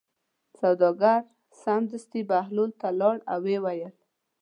سوداګر سمدستي بهلول ته لاړ او ویې ویل.